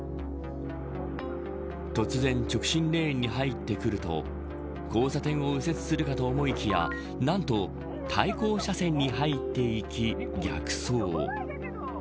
突然、直進レーンに入ってくると交差点を右折するかと思いきやなんと、対向車線に入っていき逆走。